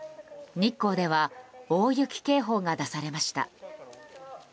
日光では大雪警報が出されました。